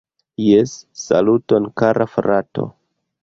Jes, saluton kara frato